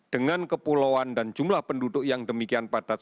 dengan kepulauan dan jumlah penduduk yang demikian padat